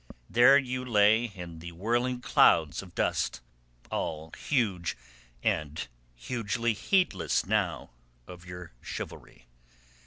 There you lay in the whirling clouds of dust, all huge and hugely, heedless now of your chivalry.